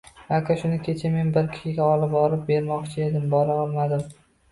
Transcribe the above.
Aka, shuni kecha men bir kishiga olib borib bermoqchi edim, bora olmadim